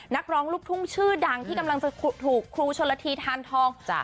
นักร้องลูกทุ่งชื่อดังที่กำลังจะถูกครูชนละทีทานทอง